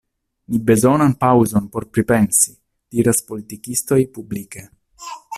Ni bezonas paŭzon por pripensi, — diras politikistoj publike.